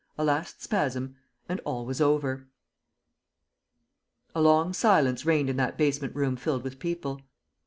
... A last spasm; and all was over ...A long silence reigned in that basement room filled with people.